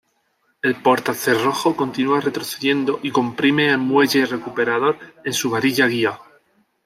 El portacerrojo continua retrocediendo y comprime al muelle recuperador en su varilla guía.